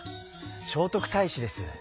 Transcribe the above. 聖徳太子です。